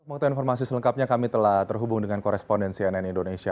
untuk informasi selengkapnya kami telah terhubung dengan koresponden cnn indonesia